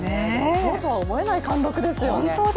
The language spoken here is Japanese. そうとは思えない貫禄ですよね。